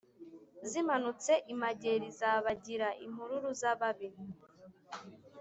Zimanutse i Mageri zabagira.-Impururu z'ababi.